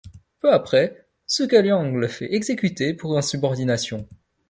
Peu après, Zhuge Liang le fait exécuter pour insubordination.